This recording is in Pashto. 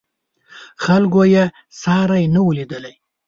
خلکو یې ساری نه و لیدلی.